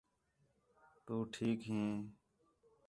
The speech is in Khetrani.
تُو ٹھیک ہیں